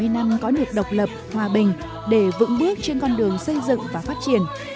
bảy mươi năm có nền độc lập hòa bình để vững bước trên con đường xây dựng và phát triển